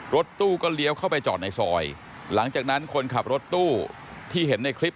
รถตู้ก็เลี้ยวเข้าไปจอดในซอยหลังจากนั้นคนขับรถตู้ที่เห็นในคลิป